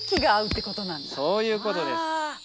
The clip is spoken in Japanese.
そういうことです。